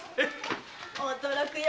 驚くよ